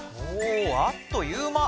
おあっという間。